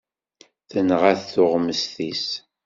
Tenɣa-t tuɣmest-is.